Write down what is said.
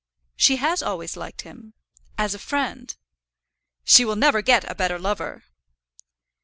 "She has always liked him as a friend." "She will never get a better lover."